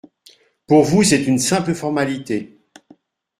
Pour vous, c’est une simple formalité.